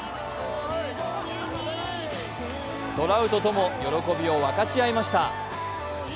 トラウトとも喜びを分かち合いました。